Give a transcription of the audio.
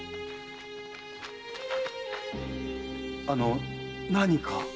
あの何か。